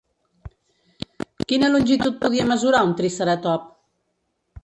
Quina longitud podia mesurar un triceratop?